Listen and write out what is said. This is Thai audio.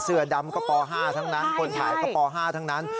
เสื้อดำก็ป๕ทั้งนั้นคนถ่ายก็ป๕ทั้งนั้น